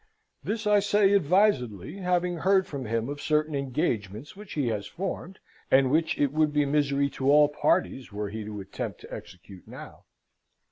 This I say advisedly, having heard from him of certain engagements which he has formed, and which it would be misery to all parties were he to attempt to execute now."